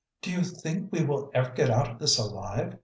"Do you think we will ever get out of this alive?"